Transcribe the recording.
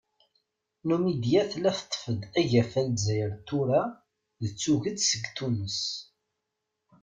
Numidya tella teṭṭef-d agafa n Lezzayer n tura d tuget seg Tunes.